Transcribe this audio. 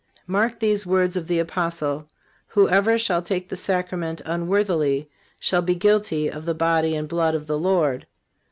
Mark these words of the Apostle: Whosoever shall take the Sacrament unworthily "shall be guilty of the body and blood of the Lord."